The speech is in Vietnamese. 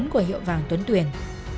của hiệu vàng tuấn tuyển